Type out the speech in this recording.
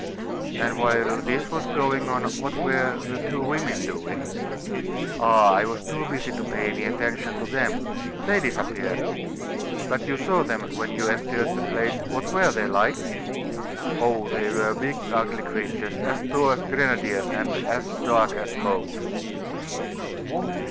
"And while all this was going on what were the two women doing?" "Ah! I was too busy to pay any attention to them. They disappeared!" "But you saw them when you entered the place what were they like?" "Oh! they were big, ugly creatures, as tall as grenadiers, and as dark as moles!"